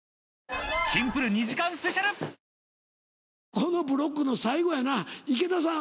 このブロックの最後やな池田さん